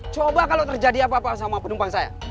coba kalau terjadi apa apa sama penumpang saya